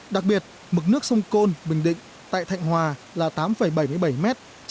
đặc biệt mực nước sông côn bình định tại thạnh hòa là tám bảy mươi bảy mét